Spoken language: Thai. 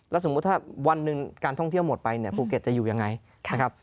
สมมุติถ้าวันหนึ่งการท่องเที่ยวหมดไปเนี่ยภูเก็ตจะอยู่ยังไงนะครับ